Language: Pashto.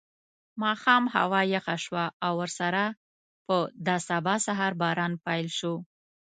ماښام هوا یخه شوه او ورسره په دا سبا سهار باران پیل شو.